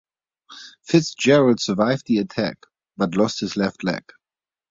Fitzgerald survived the attack, but lost his left leg.